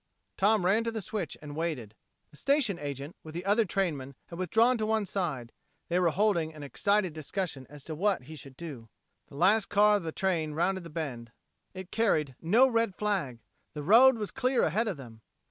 Tom ran to the switch and waited. The station agent, with the other trainmen, had withdrawn to one side; they were holding an excited discussion as to what he should do. The last car of the train rounded the bend. It carried no red flag! The road was clear ahead of them!